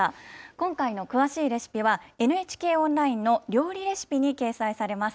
今回の詳しいレシピは、ＮＨＫオンラインの料理レシピに掲載されます。